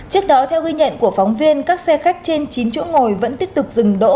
trước đó theo ghi nhận của phóng viên các xe khách trên chín chỗ ngồi vẫn tiếp tục dừng đỗ